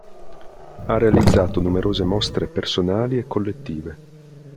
Ha realizzato numerose mostre personali e collettive.